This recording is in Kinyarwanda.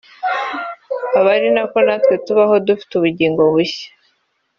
abe ari ko natwe tubaho dufite ubugingo bushya